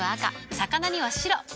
魚には白。